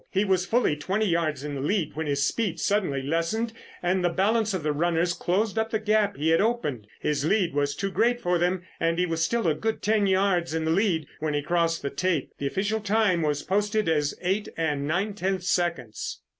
He was fully twenty yards in the lead when his speed suddenly lessened and the balance of the runners closed up the gap he had opened. His lead was too great for them, and he was still a good ten yards in the lead when he crossed the tape. The official time was posted as eight and nine tenths seconds.